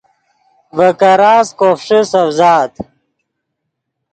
ڤے کراست کوفݰے سڤزآت